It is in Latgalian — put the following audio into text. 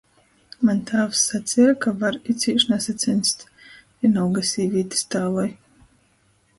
Maņ tāvs saceja, ka var i cīši nasaceņst, vīnolga sīvītis tāloj.